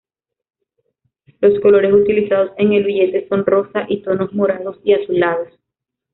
Los colores utilizados en el billete son rosa y tonos morados y azulados.